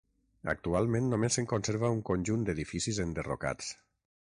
Actualment només se'n conserva un conjunt d'edificis enderrocats.